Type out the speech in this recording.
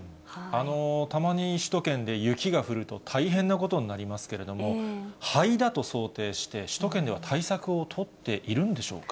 たまに首都圏で雪が降ると大変なことになりますけれども、灰だと想定して、首都圏では対策を取っているんでしょうか。